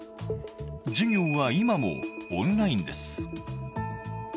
授業は今もオンラインです。